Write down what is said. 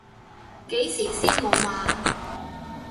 幾時先無碼？